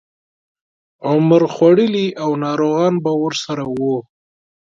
عمر خوړلي او ناروغان به ورسره وو.